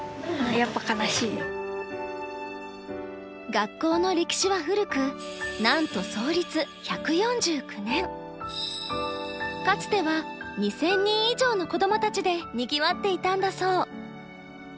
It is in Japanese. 学校の歴史は古くなんとかつては２０００人以上の子どもたちでにぎわっていたんだそう。